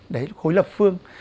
đấy khối lập phương